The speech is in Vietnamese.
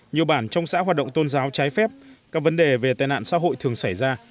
nhiều bản trong xã hoạt động tôn giáo trái phép các vấn đề về tệ nạn xã hội thường xảy ra